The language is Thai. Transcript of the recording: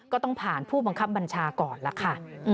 ก็ต้องผ่านผู้บังคับบัญชาก่อนล่ะค่ะ